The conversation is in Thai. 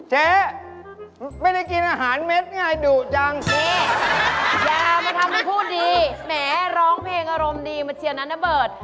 แหมร้องเพลงอารมณ์ดีมาเชียวน้ำน้ำเบิด